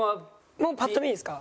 もうパッと見でいいですか？